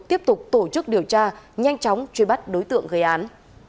tiếp tục tổ chức điều tra nhanh chóng truy bắt đối tượng gây án